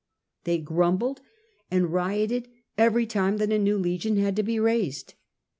They grumbled and rioted every time that a new legion had to be raised.